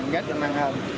rất vui ngon hơn